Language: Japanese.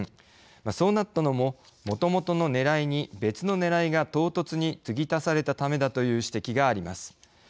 そうなったのももともとのねらいに別のねらいが唐突に継ぎ足されたためだという指摘があります。